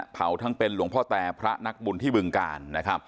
ทั้งเป็นหลวงพ่อแต่พระนักบุญที่บึงกาล